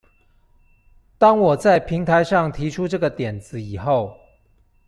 當我在平台上提出這個點子以後